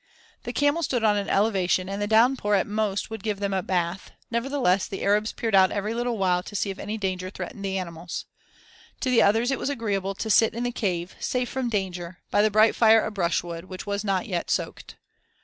The camels stood on an elevation and the downpour at most would give them a bath; nevertheless the Arabs peered out every little while to see if any danger threatened the animals. To the others it was agreeable to sit in the cave, safe from danger, by the bright fire of brushwood, which was not yet soaked.